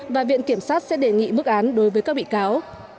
và viện kiểm sát sẽ đề nghị mức án đối với các bị cáo